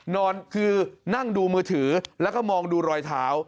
นอนคือนั่งดูมือถือแล้วก็มองดูรอยเท้า